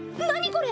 これ。